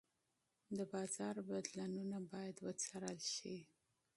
د بازار بدلونونه باید وڅارل شي.